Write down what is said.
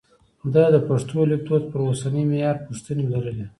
ده د پښتو لیکدود پر اوسني معیار پوښتنې لرلې.